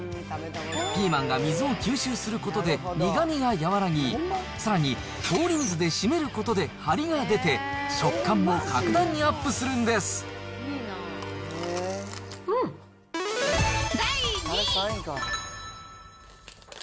ピーマンが水を吸収することで、苦みが和らぎ、さらに氷水で締めることで張りが出て、食感も格段にアップするん第２位。